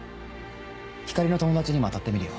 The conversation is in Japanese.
光莉の友達にも当たってみるよ。